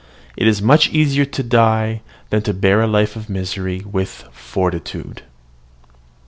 It is much easier to die than to bear a life of misery with fortitude."